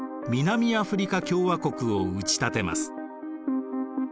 南アフリカ共和国を打ち立てます。